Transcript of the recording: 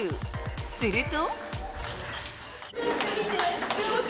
すると。